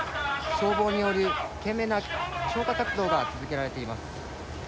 消防による懸命な消火活動が続けられています。